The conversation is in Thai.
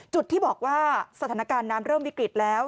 ที่บอกว่าสถานการณ์น้ำเริ่มวิกฤตแล้ว